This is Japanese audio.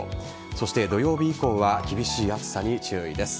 そして土曜日以降は厳しい暑さに注意です。